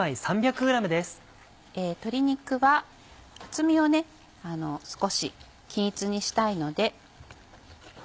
鶏肉は厚みを少し均一にしたいので。